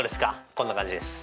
こんな感じです。